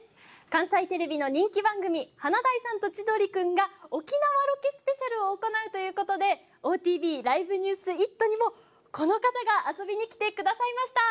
関西テレビの人気番組「華大さんと千鳥くん」が沖縄ロケＳＰを行うという事で「ＯＴＶＬｉｖｅＮｅｗｓイット！」にもこの方が遊びに来てくださいました。